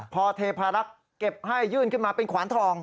พอเทพารักษ์เก็บให้ยื่นขึ้นมาเป็นขวานทอง